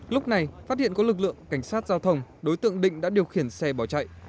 lúc này phát hiện có lực lượng cảnh sát giao thông đối tượng định đã điều khiển xe bỏ chạy